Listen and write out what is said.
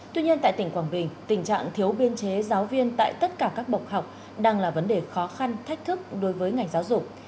tuy nhiên tại tỉnh quảng bình tình trạng thiếu biên chế giáo viên tại tất cả các bậc học đang là vấn đề khó khăn thách thức đối với ngành giáo dục